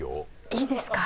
いいですか？